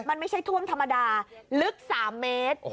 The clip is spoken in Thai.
มันไม่ใช่ท่วมธรรมดาลึก๓เมตร